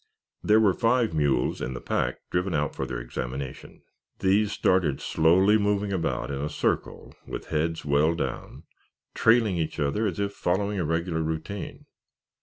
There were five mules in the pack driven out for their examination. These started slowly moving about in a circle with heads well down, trailing each other as if following a regular routine.